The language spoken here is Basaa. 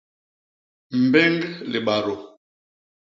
Mbéñg libadô.